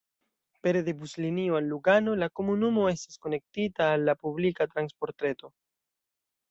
Pere de buslinio al Lugano la komunumo estas konektita al la publika transportreto.